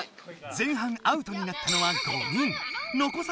前半ＯＵＴになったのは５人。